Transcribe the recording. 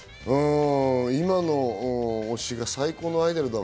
今の推しが最高のアイドルだ。